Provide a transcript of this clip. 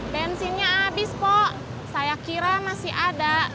bensinnya abis pok saya kira masih ada